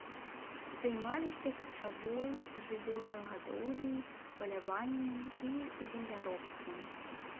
Займаліся качавой жывёлагадоўляй, паляваннем і земляробствам.